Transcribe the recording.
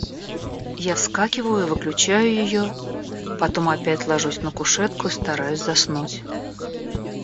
Я вскакиваю и выключаю ее, потом опять ложусь на кушетку и стараюсь заснуть.